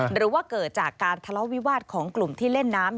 หรือว่าเกิดจากการทะเลาะวิวาสของกลุ่มที่เล่นน้ำ